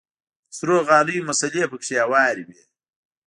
د سرو غاليو مصلې پکښې هوارې وې.